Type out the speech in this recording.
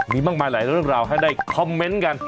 มีมากมายหลายเรื่องราวให้ได้คอมเมนต์กัน